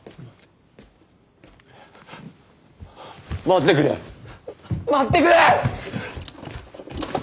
待ってくれ待ってくれ！